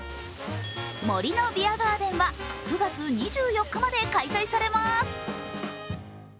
森のビアガーデンは９月２４日まで開催されます。